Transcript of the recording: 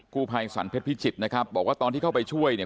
กู้ภัยสรรเพชรพิจิตรนะครับบอกว่าตอนที่เข้าไปช่วยเนี่ย